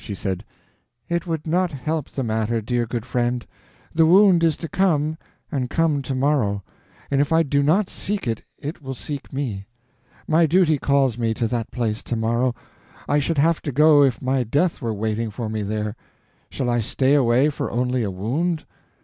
She said: "It would not help the matter, dear good friend. The wound is to come, and come to morrow. If I do not seek it, it will seek me. My duty calls me to that place to morrow; I should have to go if my death were waiting for me there; shall I stay away for only a wound?